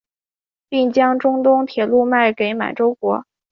并将中东铁路卖给满洲国。